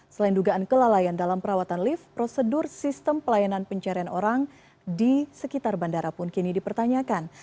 selain dugaan kelalaian dalam perawatan lift prosedur sistem pelayanan pencarian orang di sekitar bandara pun kini dipertanyakan